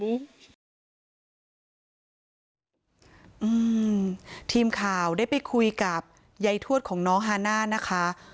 ทีมข่าวได้ไปคุยกับยายทวดของน้องฮาน่านะคะ